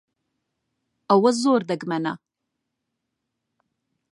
ئەوە زۆر دەگمەنە.